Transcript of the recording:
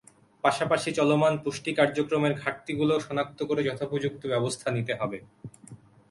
পাশাপাশি চলমান পুষ্টি কার্যক্রমের ঘাটতিগুলো শনাক্ত করে যথোপযুক্ত ব্যবস্থা নিতে হবে।